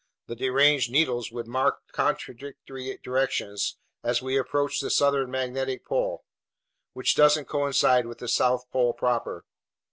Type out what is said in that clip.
The deranged needles would mark contradictory directions as we approached the southern magnetic pole, which doesn't coincide with the South Pole proper.